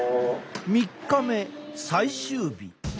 ３日目最終日。